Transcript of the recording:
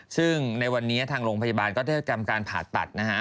ซึ่งในวันนี้ทางโรงพยาบาลก็ได้ทำการผ่าตัดนะฮะ